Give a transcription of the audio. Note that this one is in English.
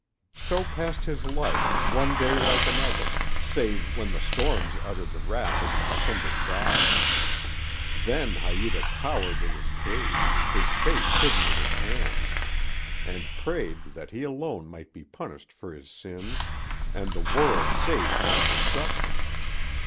So passed his life, one day like another, save when the storms uttered the wrath of an offended god. Then Haïta cowered in his cave, his face hidden in his hands, and prayed that he alone might be punished for his sins and the world saved from destruction.